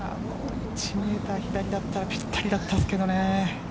１ｍ左だったらぴったりだったんですけどね。